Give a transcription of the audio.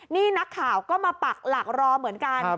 นี่นักข่าวก็มาปักหลักรอเหมือนกัน